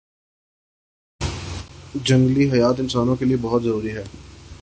جنگلی حیات انسانوں کے لیئے بہت ضروری ہیں